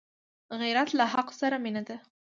غیرت له حق سره مینه ده